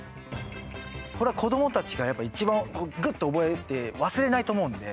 これは子どもたちがいちばん、ぐっと覚えて忘れないと思うんで。